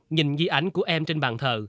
nhìn dí ảnh của em trên bàn thờ